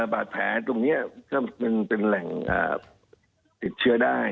บาดแผลตรงนี้ก็มันเป็นแหล่งติดเชื้อได้